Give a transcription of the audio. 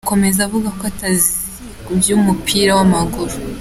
Akomeza avuga ko atazi iby’umupira w’amaguru.